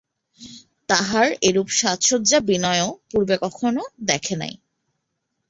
তাহার এরূপ সাজসজ্জা বিনয়ও পূর্বে কখনো দেখে নাই।